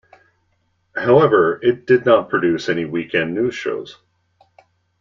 However, it did not produce any weekend news shows.